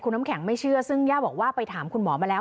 น้ำแข็งไม่เชื่อซึ่งย่าบอกว่าไปถามคุณหมอมาแล้ว